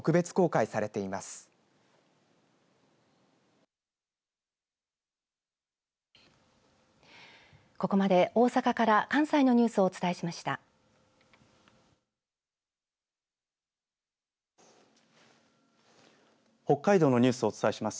北海道のニュースをお伝えします。